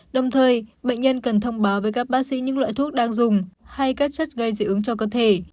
đồng thời bệnh nhân cần thông báo với các bác sĩ những loại thuốc đang dùng hay các chất gây dị ứng cho cơ thể